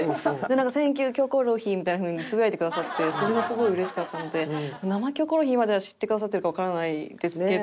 「サンキュー『キョコロヒー』」みたいな風につぶやいてくださってそれがすごいうれしかったので「生キョコロヒー」までは知ってくださってるかわからないですけど。